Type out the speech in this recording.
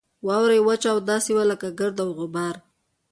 واوره یې وچه او داسې وه لکه ګرد او غبار.